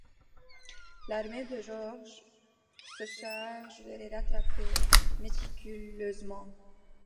L’armée de Georges se charge de les rattraper, méticuleusement.